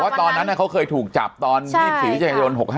แต่ตอนนั้นน่ะเขาเคยถูกจับตอนนี้มิถีวิจัยโกน๖๕